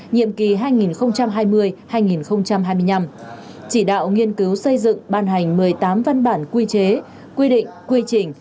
nhiệm kỳ hai nghìn hai mươi hai nghìn hai mươi năm chỉ đạo nghiên cứu xây dựng ban hành một mươi tám văn bản quy chế quy định quy trình